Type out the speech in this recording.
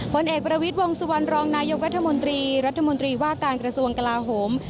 ผลเอกประวิทย์วงสุวรรณรองนายกรัฐมนตรีรัฐมนตรีว่าการกระทรวงกลาโหม